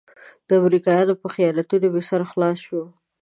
د امریکایانو په خیانتونو مې سر خلاص شو.